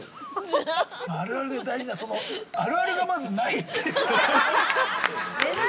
◆あるあるで大事な、その、あるあるがまずないという。